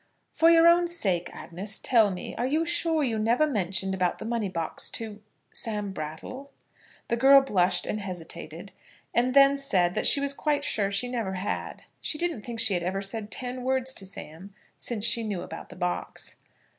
"For your own sake, Agnes, tell me, are you sure you never mentioned about the money box to Sam Brattle?" The girl blushed and hesitated, and then said that she was quite sure she never had. She didn't think she had ever said ten words to Sam since she knew about the box.